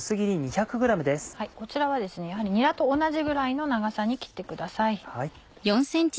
こちらはやはりにらと同じぐらいの長さに切ってください。